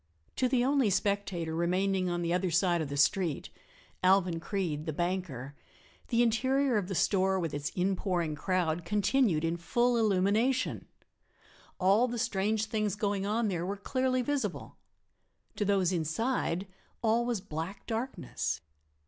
To the only spectator remaining on the other side of the street Alvan Creede, the banker the interior of the store with its inpouring crowd continued in full illumination; all the strange things going on there were clearly visible. To those inside all was black darkness.